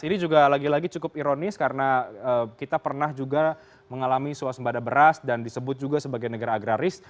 ini juga lagi lagi cukup ironis karena kita pernah juga mengalami suasembada beras dan disebut juga sebagai negara agraris